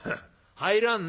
入らんね